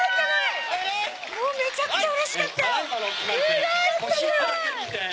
もうめちゃくちゃうれしかったよ。